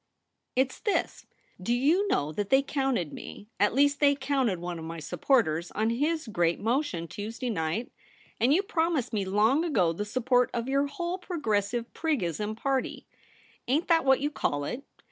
It's this — do you know that they counted me — at least they counted one of my sup porters — on his great motion Tuesday night ; and you promised me long ago the support of your whole Progressive Priggism party — ain't that what you call it